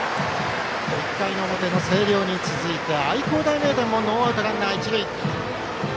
１回の表の星稜に続いて愛工大名電もノーアウトランナー、一塁。